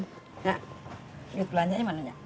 nenek yuk belanjanya mananya